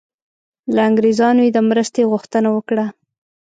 له انګریزانو یې د مرستې غوښتنه وکړه.